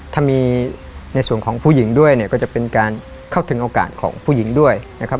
ถ้ามีในส่วนของผู้หญิงด้วยเนี่ยก็จะเป็นการเข้าถึงโอกาสของผู้หญิงด้วยนะครับ